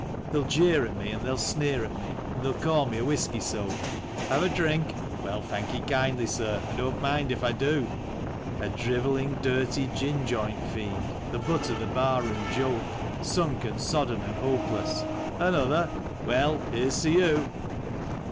76 NEW YEAR'S EVE. They'll jeer at me, and they'll sneer at me, and they'll call me a whiskey soak; ("Have a drink? "Well, thankee kindly, sir, I don't mind if I do.") A drivelling, dirty gin joint fiend, the butt of the bar room joke; Sunk and sodden and hopeless —" Another ? Well, here's to you